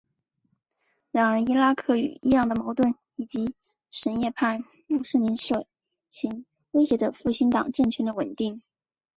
然而伊拉克与伊朗的矛盾以及什叶派穆斯林社群威胁着复兴党政权的稳定。